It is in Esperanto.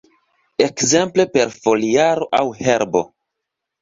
Ekzemple per foliaro aŭ herbo.